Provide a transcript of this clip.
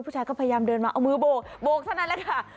ผู้ชายก็พยายามเดินมาเอามือโบกโบกเท่านั้นแหละค่ะ